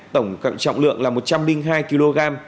tổng trọng lượng là một trăm linh hai kg